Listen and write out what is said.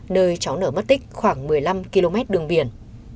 nơi cháu nở mất tích khoảng một mươi năm km đường biển